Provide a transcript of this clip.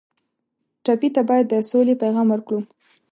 ټپي ته باید د سولې پیغام ورکړو.